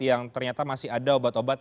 yang ternyata masih ada obat obat